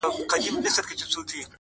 د اختر سهار ته مي ـ